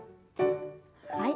はい。